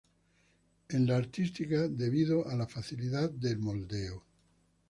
En la artística, debido a la facilidad de moldeo.